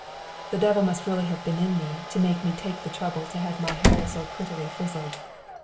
The devil must really have been in me to make me take the trouble to have my hair so prettily frizzled.